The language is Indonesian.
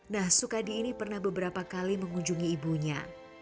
nah sukadi ini pernah beberapa kali mengunjungi ibunya